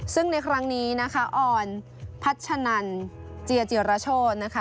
ซึ่งในครั้งนี้นะคะออนพัชนันเจียจิรโชธนะคะ